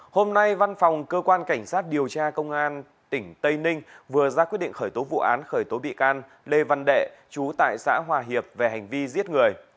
hôm nay văn phòng cơ quan cảnh sát điều tra công an tỉnh tây ninh vừa ra quyết định khởi tố vụ án khởi tố bị can lê văn đệ chú tại xã hòa hiệp về hành vi giết người